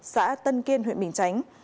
xã tân kiên huyện bình chánh